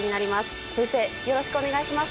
よろしくお願いします。